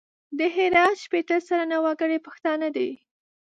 د هرات شپېته سلنه وګړي پښتانه دي.